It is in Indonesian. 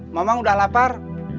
mamang sudah lapar